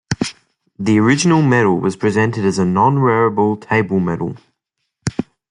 The original medal was presented as a non-wearable, table medal.